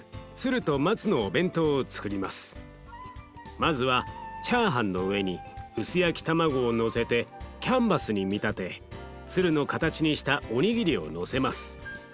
まずはチャーハンの上に薄焼き卵をのせてキャンバスに見立て鶴の形にしたおにぎりをのせます。